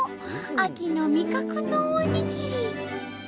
秋の味覚のおにぎり！